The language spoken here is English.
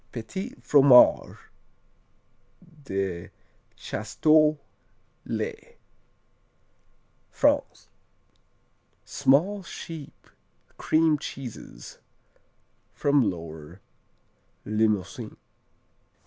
Petits Fromages de Chasteaux, les France Small, sheep cream cheeses from Lower Limousin.